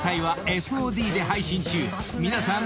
［皆さん